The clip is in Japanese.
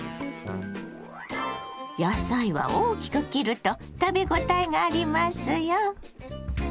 野菜は大きく切ると食べ応えがありますよ。